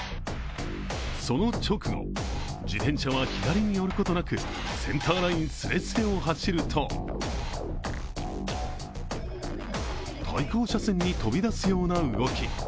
その直後自転車は左に寄ることなくセンターラインすれすれを走ると対向車線に飛び出すような動き。